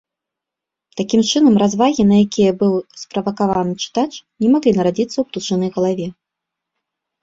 Такім чынам, развагі, на якія быў справакаваны чытач, не маглі нарадзіцца ў птушынай галаве.